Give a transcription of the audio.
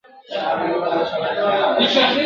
د غوايي په څېر به ټوله ورځ کړېږي ..